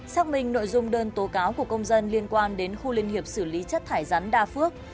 xác minh nội dung đơn tố cáo của công dân liên quan đến khu liên hiệp xử lý chất thải rắn đa phước